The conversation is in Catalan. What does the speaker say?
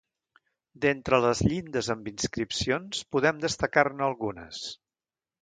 D’entre les llindes amb inscripcions, podem destacar-ne algunes.